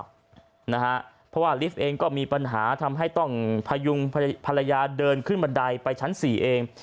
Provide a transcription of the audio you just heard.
เพราะว่าลิฟต์เองก็มีปัญหาทำให้ต้องพยุงภรรยาเดินขึ้นบันไดไปชั้น๔เอง